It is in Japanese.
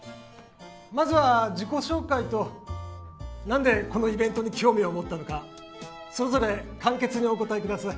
まずは自己紹介と何でこのイベントに興味を持ったのかそれぞれ簡潔にお答えください。